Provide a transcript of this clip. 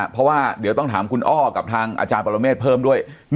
เพราะว่าเดี๋ยวต้องถามคุณอ้อกับทางอาจารย์ปรเมฆเพิ่มด้วย